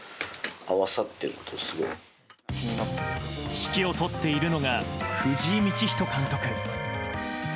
指揮を執っているのが藤井道人監督。